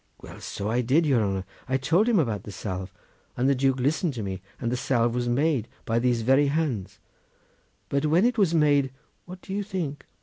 "Well, so I did, your honour; I told him about the salve, and the Duke listened to me, and the salve was made by these very hands; but when it was made, what do you think?